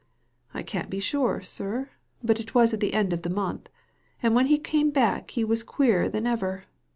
"I can't be sure, sir, but it was at the end oi the month. And when he came back he was queerer than ever.